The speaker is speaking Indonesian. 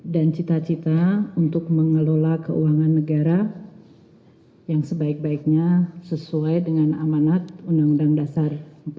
dan cita cita untuk mengelola keuangan negara yang sebaik baiknya sesuai dengan amanat undang undang dasar empat puluh lima